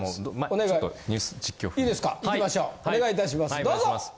お願いいたします。